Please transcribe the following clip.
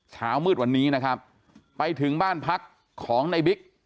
เช้ามืดวันนี้นะครับไปถึงบ้านพักของในบิ๊ก